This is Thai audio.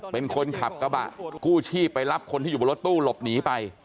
เป็นคนขับกระบะกู้ชีพไปรับคนที่อยู่บนรถตู้หลบหนีไป